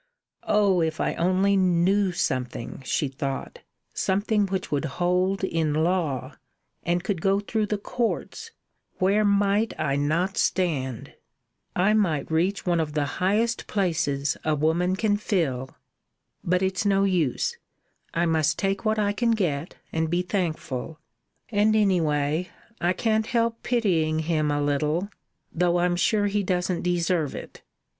"Oh! if I only knew something," she thought, "something which would hold in law, and could go through the courts, where might I not stand? I might reach one of the highest places a woman can fill. But it's no use; I must take what I can get, and be thankful; and, anyway, I can't help pitying him a little, though I'm sure he doesn't deserve it.